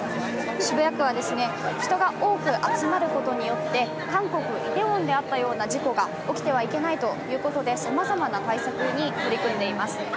渋谷区は人が多く集まることによって韓国イテウォンであったような事故が起きてはいけないということでさまざまな対策に取り組んでいます。